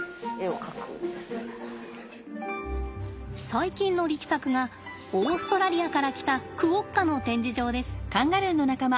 最近の力作がオーストラリアから来たクオッカの展示場です。